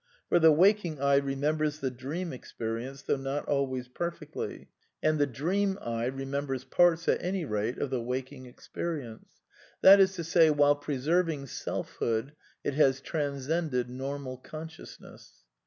For the waking I remembers the dream experience, though not always perfectly; and V THE NEW MYSTICISM 268 the dream I remembers parts, at any rate, of the waking experience. That is to say, while preserving selfhood, it has trans cended normal consciousness.